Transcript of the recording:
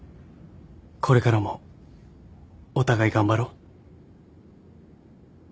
これからもお互い頑張ろう。